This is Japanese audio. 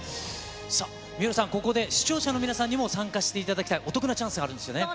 さあ、水卜さん、ここで視聴者の皆さんに参加していただきたいお得なチャンスがあるんですよね。